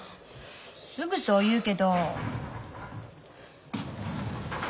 すぐそう言うけど。